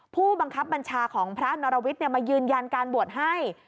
ผู้บังคับบัญชาของพระนรวิทย์มายืนยันการบวชให้